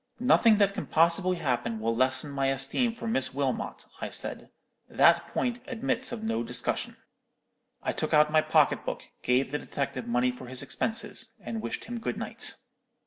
"'Nothing that can possibly happen will lessen my esteem for Miss Wilmot,' I said. 'That point admits of no discussion.' "I took out my pocket book, gave the detective money for his expenses, and wished him good night.